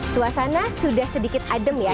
suasana sudah sedikit adem ya